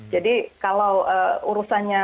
jadi kalau urusannya